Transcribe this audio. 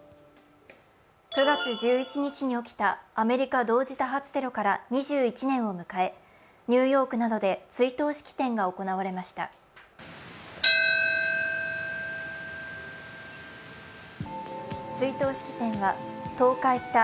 ９月１１日に起きたアメリカ同時多発テロから２１年を迎え、ニューヨークなどで追悼式典が行われました。